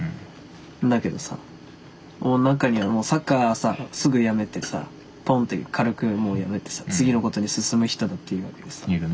だけどさもう中にはもうサッカーさすぐやめてさポンって軽くもうやめてさ次のことに進む人だっているわけでさ。いるね。